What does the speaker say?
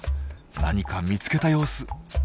何か見つけた様子。